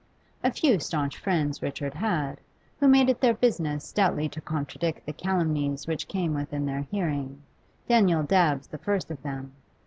A few staunch friends Richard had, who made it their business stoutly to contradict the calumnies which came within their hearing, Daniel Dabbs the first of them.